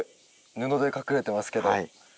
布で隠れてますけど。